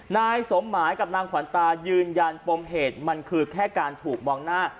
นายสมหมายกับนางขวัญตายืนยันปมเหตุมันคือแค่การถูกมองหน้า